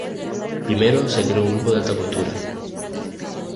Primero se crea un grupo de alta costura.